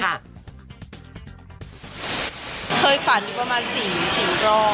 เคยฝ่ายอยู่ประมาณ๓๔กล้อง